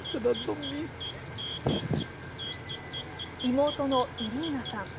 妹のイリーナさん。